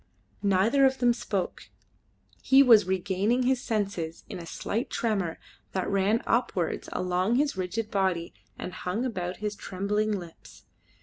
Neither of them spoke. He was regaining his senses in a slight tremor that ran upwards along his rigid body and hung about his trembling lips.